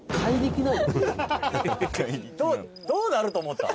「どうなると思ったん？」